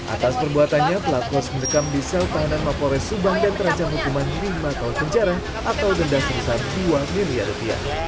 atas perbuatannya pelaku harus mendekam di sel tahanan mapores subang dan terancam hukuman lima tahun penjara atau denda sebesar dua miliar rupiah